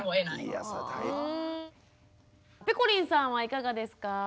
ペコリンさんはいかがですか？